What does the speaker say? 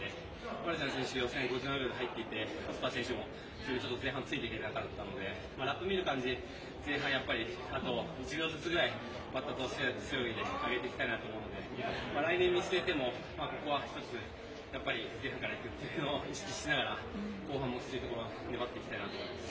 マルシャン選手が予選５７秒で入っていてフォスター選手にも前半ついていけなかったのでラップを見る感じ、前半やっぱりあと１秒ずつぐらいバタと背泳ぎで上げていきたいなと思うので来年を見据えてもここは１つ、前半から行くというのを意識しながら後半もきついところ粘っていきたいと思います。